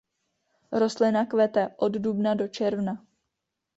Rostlina kvete od dubna do června.